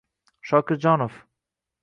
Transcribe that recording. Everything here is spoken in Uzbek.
👉 shokirjonov